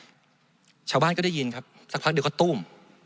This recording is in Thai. ชาวบ้านก็ได้ยินครับสักพักเดียวก็ตู้ม